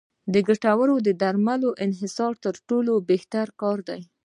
د ګټورو درملو انحصار تر ټولو بهتره کار دی.